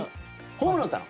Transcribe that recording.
ホームラン打ったの。